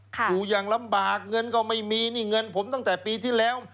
อยู่อย่างลำบากเงินก็ไม่มีนี่เงินผมตั้งแต่ปีที่แล้ว